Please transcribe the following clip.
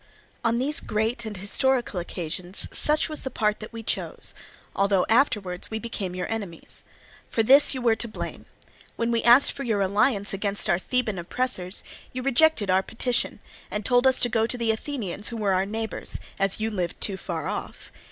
"On these great and historical occasions such was the part that we chose, although afterwards we became your enemies. For this you were to blame. When we asked for your alliance against our Theban oppressors, you rejected our petition, and told us to go to the Athenians who were our neighbours, as you lived too far off.